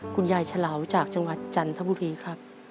คุณยายเฉลาวจากจังหวัดจันทบุรีครับ